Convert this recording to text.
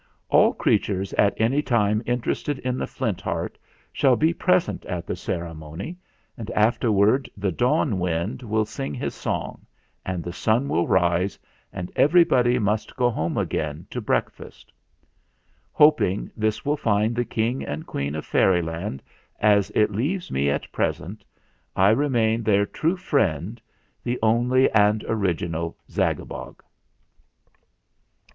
All creatures at any time interested in the Flint Heart shall be pres ent at the ceremony and, afterward, the Dawn Wind will sing his song, and the sun will rise, and everybody must go home again to break fast. "Hoping this will find the King and Queen of Fairyland as it leaves me at present, I re main, their true friend, "THE ONLY AND ORIGINAL ZAGABOG."